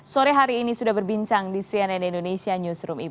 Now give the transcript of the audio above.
sore hari ini sudah berbincang di cnn indonesia newsroom